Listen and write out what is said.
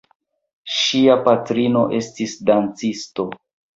Ŝia patrino estis dancisto.